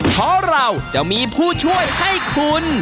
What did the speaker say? เพราะเราจะมีผู้ช่วยให้คุณ